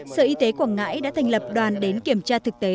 sở y tế quảng ngãi đã thành lập đoàn đến kiểm tra thực tế